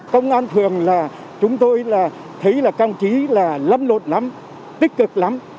công an phường là chúng tôi là thấy là các ông chí là lâm lột lắm tích cực lắm